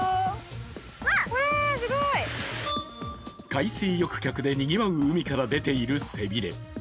海水浴客でにぎわう海から出ている背びれ。